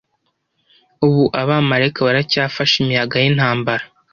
Ubu abamarayika baracyafashe imiyaga y’intambara